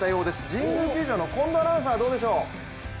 神宮球場の近藤アナウンサーどうでしょう？